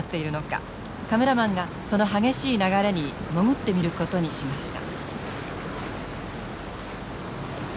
カメラマンがその激しい流れに潜ってみることにしました。